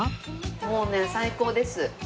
もうね最高です。